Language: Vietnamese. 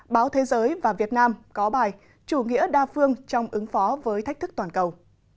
báo thế giới và việt nam có bài chủ nghĩa đa phương trong ứng phó với thách thức toàn cầu